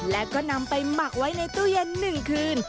แล้วก็นำไปหมักไว้ในตู้เย็น๑คืน